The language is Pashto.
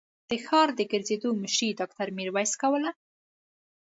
د ښار د ګرځېدو مشري ډاکټر ميرويس کوله.